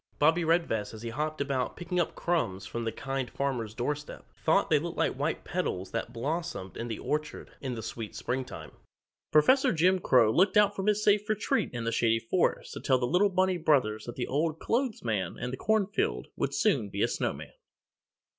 Bobbie Redvest as he hopped about picking up crumbs from the Kind Farmer's doorstep, thought they looked like the white petals that blossomed in the orchard in the sweet springtime. Professor Jim Crow looked out from his safe retreat in the Shady Forest to tell the little bunny brothers that the Old Clothes Man in the cornfield would soon be a snowman!